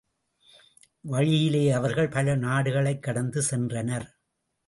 வழியிலே அவர்கள் பல நாடுகளைக் கடந்து சென்றனர்.